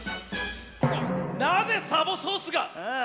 なぜサボソースが！ああ。